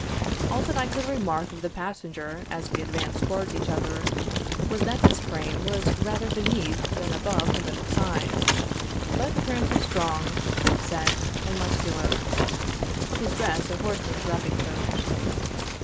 All that I could remark of the passenger as we advanced towards each other, was that his frame was rather beneath than above the middle size, but apparently strong, thick set, and muscular; his dress a horseman's wrapping coat.